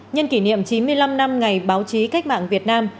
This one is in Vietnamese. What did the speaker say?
nhân kỷ niệm chín mươi năm năm ngày báo chí cách mạng việt nam